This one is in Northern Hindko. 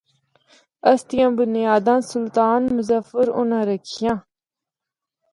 اس دی بنیاداں سلطان مظفر اُناں رکھیاں۔